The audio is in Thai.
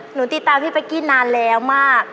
หนูติดตามพี่เป๊กกี้นานแล้วมาก